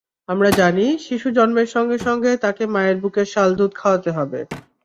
আমরা জানি, শিশু জন্মের সঙ্গে সঙ্গে তাকে মায়ের বুকের শালদুধ খাওয়াতে হবে।